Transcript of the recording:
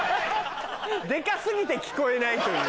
でか過ぎて聞こえないという。